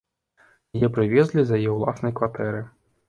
Яе прывезлі з яе ўласнай кватэры.